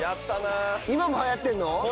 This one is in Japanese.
今もはやってんの？